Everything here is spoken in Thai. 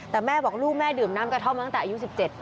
แต่แม่บอกลูกแม่ดื่มน้ำกระท่อมมาตั้งแต่อายุ๑๗